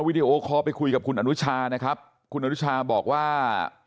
วิดีโอคอลไปคุยกับคุณอนุชานะครับคุณอนุชาบอกว่า